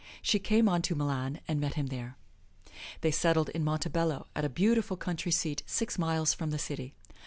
She came on to Milan and met him there. They settled in Montebello, at a beautiful country seat, six miles from the city.